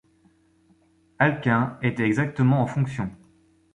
Alcuin était exactement en fonction.